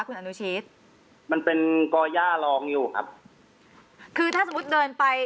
คุณอนุชิตมันเป็นก่อย่าลองอยู่ครับคือถ้าสมมุติเดินไป